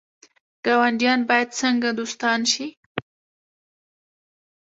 ګاونډیان باید څنګه دوستان شي؟